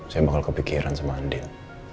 saya bakal kepikiran sama andil